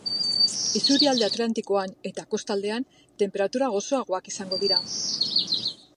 Isurialde atlantikoan eta kostaldean tenperatura gozoagoak izango dira.